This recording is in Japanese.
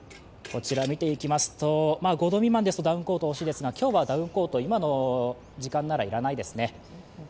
５度未満ですとダウンコートが欲しいですが、今日はダウンコート、今の時間ならいらないですね。